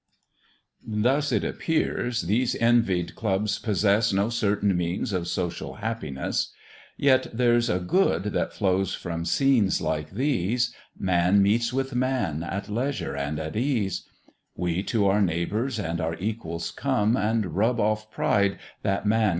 Thus it appears these envied Clubs possess No certain means of social happiness; Yet there's a good that flows from scenes like these Man meets with man at leisure and at ease; We to our neighbours and our equals come, And rub off pride that man.